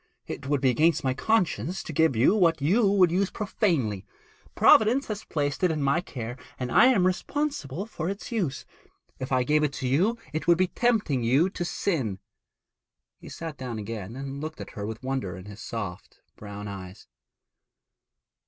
'It would be against my conscience to give you what you would use profanely. Providence has placed it in my care, and I am responsible for its use. If I gave it to you it would be tempting you to sin.' He sat down again and looked at her with wonder in his soft brown eyes.